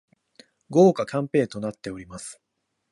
豪華キャンペーンとなっております